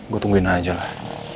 gue tungguin aja lah